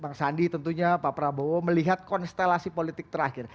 bang sandi tentunya pak prabowo melihat konstelasi politik terakhir